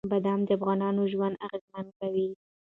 بادام د افغانانو ژوند اغېزمن کوي.